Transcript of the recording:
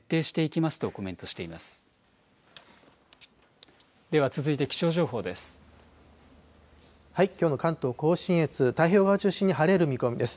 きょうの関東甲信越、太平洋側を中心に晴れる見込みです。